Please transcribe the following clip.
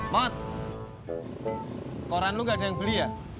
mat koran lu gak ada yang beli ya